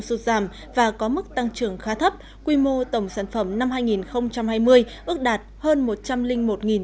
được giảm và có mức tăng trưởng khá thấp quy mô tổng sản phẩm năm hai nghìn hai mươi ước đạt hơn